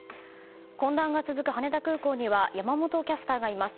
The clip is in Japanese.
混乱が続く羽田空港には山本キャスターがいます。